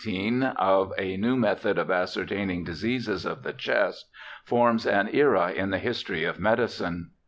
The pub lication in 1819 of a new method of ascertaining diseases of the chest forms an era in the history of medicine.